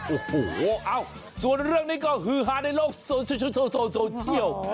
โอ้โหส่วนเรื่องนี้ก็คือฮาในโลกโซเชียล